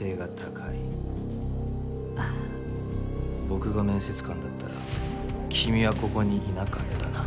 僕が面接官だったら君はここにいなかったな。